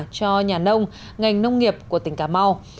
cho nhà nông ngành nông nghiệp của tỉnh cà mau